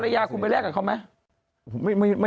ยาคุณไปแลกกับเขาไหม